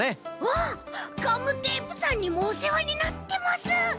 わあガムテープさんにもおせわになってます。